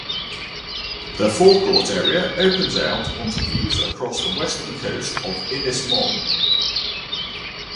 The forecourt area opens out onto views across the western coast of Ynys Mon.